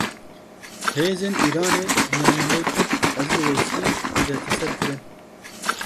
Hêzên Îranê hunermendê Kurd Ezîz Weysî desteser kirin.